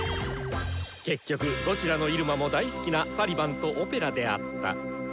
結局どちらの入間も大好きなサリバンとオペラであった。